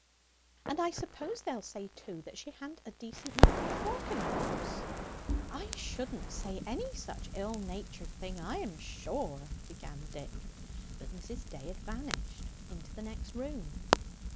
"And I suppose they'll say, too, that she ha'n't a decent knife and fork in her house!" "I shouldn't say any such ill natured thing, I am sure " began Dick. But Mrs. Day had vanished into the next room.